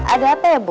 ada apa ya bu